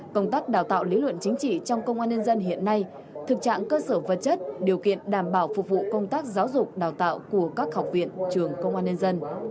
công tác đào tạo lý luận chính trị trong công an nhân dân hiện nay thực trạng cơ sở vật chất điều kiện đảm bảo phục vụ công tác giáo dục đào tạo của các học viện trường công an nhân dân